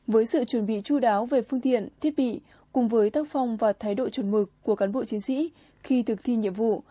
với sự chuẩn bị chú đáo về phương tiện thiết bị cùng với tác phong và thái độ chuẩn mực của cán bộ chiến sĩ khi thực thi nhiệm vụ